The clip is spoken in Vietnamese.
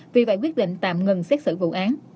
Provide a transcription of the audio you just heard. vì vậy quyết định tạm ngừng xét xử vụ án